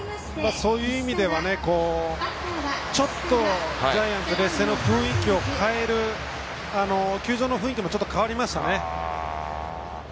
そういう意味ではちょっとジャイアンツ劣勢の雰囲気を変える球場の雰囲気もちょっと変わりましたね。